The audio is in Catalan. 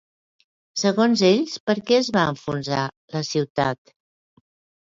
Segons ells, per què es va enfonsar la ciutat?